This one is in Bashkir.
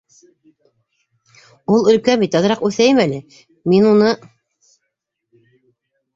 — Ул өлкән бит, аҙыраҡ үҫәйем әле, мин уны...